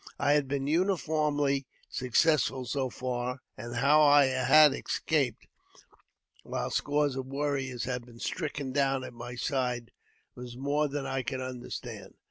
I had been uniformly successful so far ; and how I had escaped, while scores of warriors had been stricken down at my side^ was more than I could understand.